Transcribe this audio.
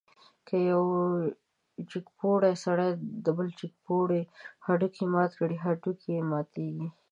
که یو جګپوړی سړی د بل جګپوړي هډوکی مات کړي، هډوکی یې ماتېږي.